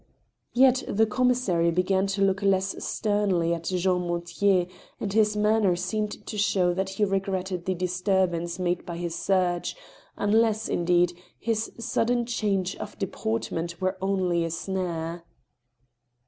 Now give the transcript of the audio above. Yet the commissary began to look less sternly at Jean Mortier, and his manner seemed to show that he regretted the disturbance made by his search, •.. unless, indeed, his sudden change of de portment were only a snare.